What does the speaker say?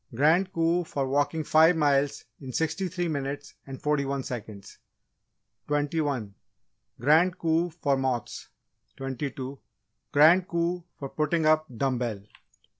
Grand Coup for Walking Five Miles in Sixty three Minutes and Forty one Seconds 21. Grand Coup for Moths 22. Grand Coup for Putting Up Dumb bell 23.